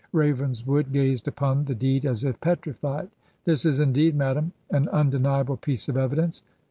Ravenswood gazed upon the deed as if petrified. 'This is indeed, madam, an un deniable piece of evidence.